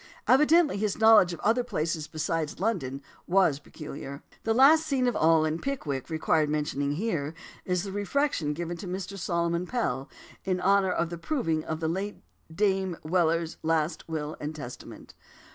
Evidently his knowledge of other places besides London was "peculiar." Last scene of all in Pickwick requiring mention here, is the refection given to Mr. Solomon Pell in honour of the proving of the late Dame Weller's last will and testament.